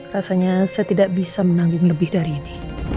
rasanya saya tidak bisa menanggung lebih dari ini